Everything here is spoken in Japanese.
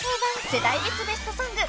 世代別ベストソング』］